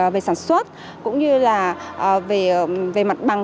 việc tuyển dụng lao động